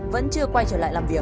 vẫn chưa quay trở lại làm việc